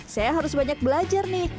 saya harus banyak belajar nih